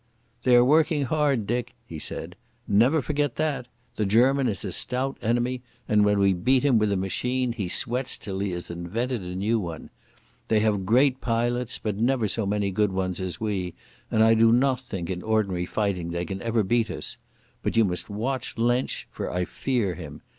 "They are working hard, Dick," he said. "Never forget that. The German is a stout enemy, and when we beat him with a machine he sweats till he has invented a new one. They have great pilots, but never so many good ones as we, and I do not think in ordinary fighting they can ever beat us. But you must watch Lensch, for I fear him.